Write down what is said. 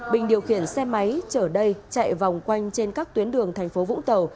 bình điều khiển xe máy chở đầy chạy vòng quanh trên các tuyến đường tp vũng tàu